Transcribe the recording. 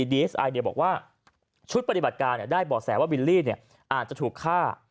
ดีเอสไอเดียบอกว่าชุดปฏิบัติการได้บ่อแสว่าบิลลี่อาจจะถูกฆ่า